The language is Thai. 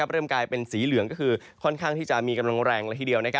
เริ่มกลายเป็นสีเหลืองก็คือค่อนข้างที่จะมีกำลังแรงละทีเดียว